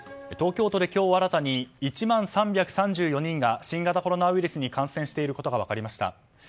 東京都で今日新たに１万３３４人が新型コロナウイルスに感染していることが分かりました。